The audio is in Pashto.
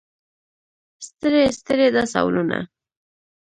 ستړي ستړي دا سوالونه.